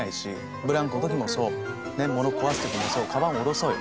ブランコの時もそう物を壊す時もそうカバン下ろそうよ。